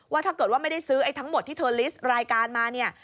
ถ้าเกิดว่าไม่ได้ซื้อไอ้ทั้งหมดที่เธอลิสต์รายการมาเนี่ย